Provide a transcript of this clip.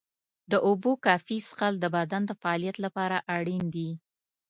د اوبو کافي څښل د بدن د فعالیت لپاره اړین دي.